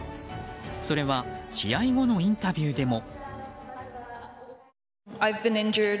それは試合後のインタビューでも。